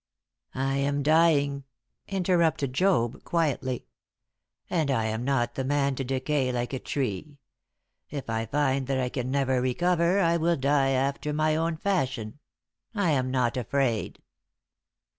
"I am dying," interrupted Job, quietly. "And I am not the man to decay like a tree. If I find that I can never recover, I will die after my own fashion. I am not afraid."